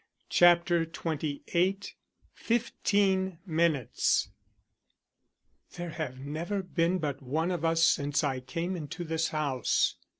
CHAPTER XXVIII FIFTEEN MINUTES "There have never been but one of us since I came into this house."